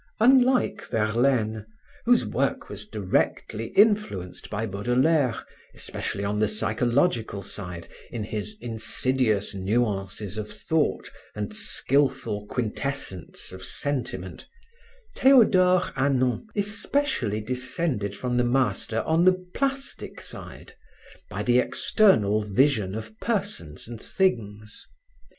Unlike Verlaine whose work was directly influenced by Baudelaire, especially on the psychological side, in his insidious nuances of thought and skilful quintessence of sentiment, Theodore Hannon especially descended from the master on the plastic side, by the external vision of persons and things.